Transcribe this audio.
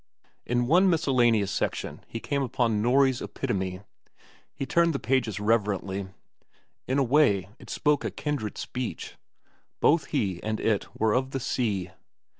In one miscellaneous section he came upon a "Norrie's Epitome." He turned the pages reverently. In a way, it spoke a kindred speech. Both he and it were of the sea.